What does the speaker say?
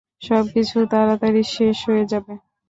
সবকিছুই তাড়াতাড়ি শেষ হয়ে যাবে।